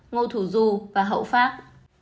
ngô thủ du và hậu pháp